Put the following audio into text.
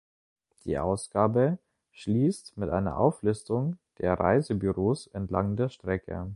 Die Ausgabe schließt mit einer Auflistung der Reisebüros entlang der Strecke.